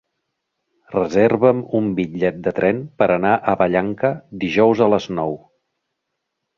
Reserva'm un bitllet de tren per anar a Vallanca dijous a les nou.